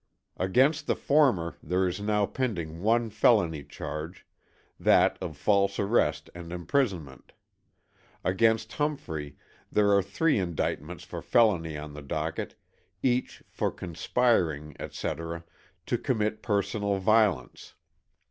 Against the former there is now pending one felony charge, that of false arrest and imprisonment. Against Humphrey there are three indictments for felony on the docket, each for conspiring, etc., to commit personal violence.